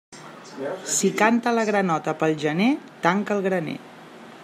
Si canta la granota pel gener, tanca el graner.